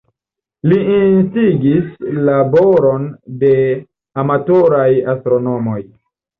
Li instigis la laboron de amatoraj astronomoj.